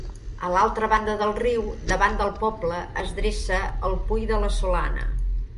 A l'altra banda del riu, davant del poble, es dreça el Pui de la Solana.